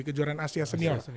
kejuaraan asia senior